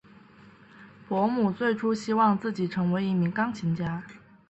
伯姆最初希望自己成为一名钢琴家。